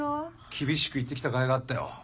厳しく言ってきた甲斐があったよ。